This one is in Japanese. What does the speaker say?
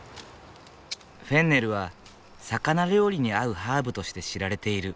フェンネルは魚料理に合うハーブとして知られている。